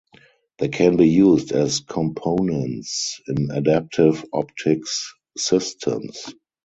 They can be used as components in adaptive optics systems.